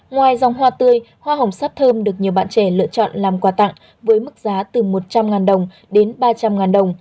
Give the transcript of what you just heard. ngoài dòng hoa tươi hoa hồng sắp thơm được nhiều bạn trẻ lựa chọn làm quà tặng với mức giá từ một trăm linh đồng đến ba trăm linh đồng